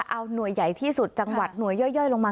เอาหน่วยใหญ่ที่สุดจังหวัดหน่วยย่อยลงมา